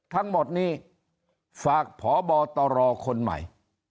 ทั้งหมดนี้ฝากพบตรคนใหม่